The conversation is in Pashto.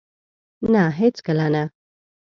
نه! هیڅکله نه